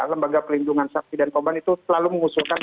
lembaga pelindungan sakti dan kompan itu selalu mengusulkan